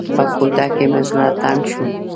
په کوټه کې مې زړه تنګ شو.